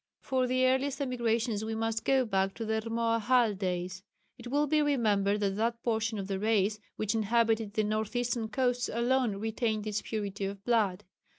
For the earliest emigrations we must go back to the Rmoahal days. It will be remembered that that portion of the race which inhabited the north eastern coasts alone retained its purity of blood.